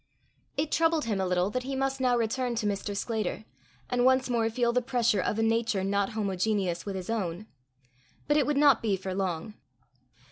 It troubled him a little that he must now return to Mr. Sclater, and once more feel the pressure of a nature not homogeneous with his own. But it would not be for long.